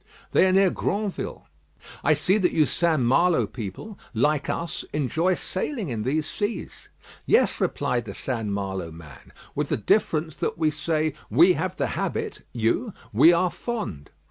"They are near Granville." "I see that you St. Malo people, like us, enjoy sailing in these seas." "Yes," replied the St. Malo man, "with the difference that we say, 'We have the habit,' you, 'We are fond.'"